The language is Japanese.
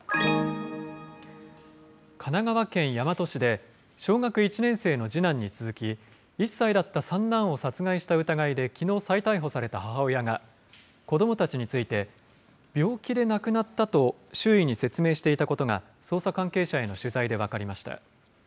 神奈川県大和市で、小学１年生の次男に続き、１歳だった三男を殺害した疑いで、きのう再逮捕された母親が、子どもたちについて、病気で亡くなったと周囲に説明していたことが、捜査関係者への取材で分かりました。